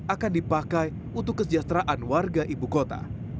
akan dipakai untuk kesejahteraan warga ibu kota